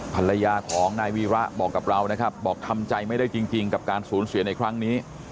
ภรรยาของนายวีระบอกกับเรานะครับบอกทำใจไม่ได้จริงกับการสูญเสียในครั้งนี้